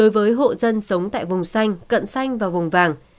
với hộ dân sống tại vùng xanh cận xanh và vùng vàng